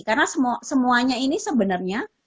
karena semuanya ini sebenarnya